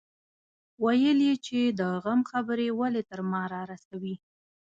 ويل يې چې د غم خبرې ولې تر ما رارسوي.